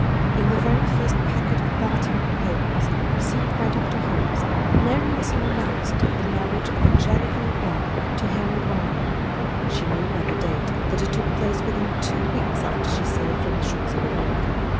In the very first packet of Baltimore papers received by Dr. Holmes, Marian saw announced the marriage of Angelica Le Roy to Henry Barnwell. She knew by the date, that it took place within two weeks after she sailed from the shores of America.